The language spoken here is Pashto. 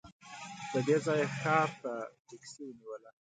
له دې ځايه ښار ته ټکسي ونیوله.